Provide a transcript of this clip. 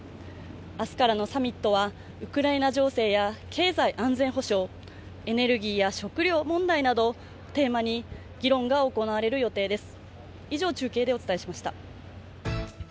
明日からのサミットはウクライナ情勢や経済安全保障、エネルギーや食糧問題などをテーマに議論が行われる予定です。